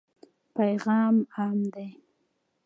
پیغام عام دی.